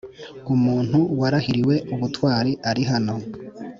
umuntu warahiriwe ubutwari arihano